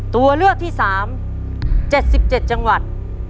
ตัวเลือกที่๓๗๗จังหวัด